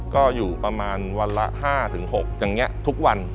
ก็อยู่ประมาณวันละ๕๖อย่างนี้ทุกวัน